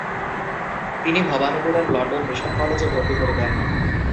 তিনি ভবানীপুরের London mission কলেজে ভর্তি করে দেন।